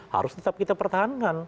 harus tetap kita pertahankan